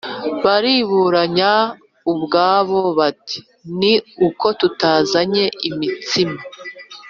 Bariburanya ubwabo bati “Ni uko tutazanye imitsima.”